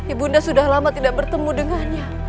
ibu unda sudah lama tidak bertemu dengannya